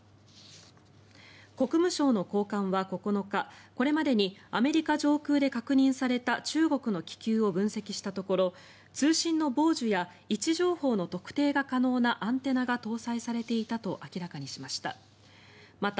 国務省の高官は９日これまでにアメリカ上空で確認された中国の気球を分析したところ通信の傍受や位置情報の特定が可能なアンテナが搭載されていたと明らかにしました。